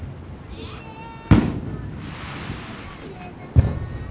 きれいだな。